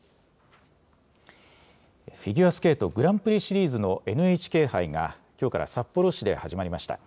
フィギュアスケートグランプリシリーズのＮＨＫ杯が、きょうから札幌市で始まりました。